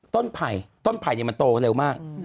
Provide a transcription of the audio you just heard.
ต้นผ่ายแต่ต้นผ่ายเนี่ยมันโตเร็วมาก